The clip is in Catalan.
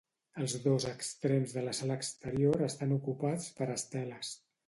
Els dos extrems de la sala exterior estan ocupats per esteles.